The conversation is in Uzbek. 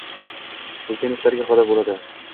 ulkan ishlarga qodir bo‘ladi.